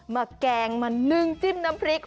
แกงมานึ่งจิ้มน้ำพริก